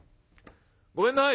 「ごめんない」。